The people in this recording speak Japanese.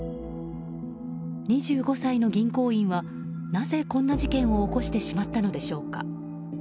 ２５歳の銀行員はなぜこんな事件を起こしてしまったのでしょうか。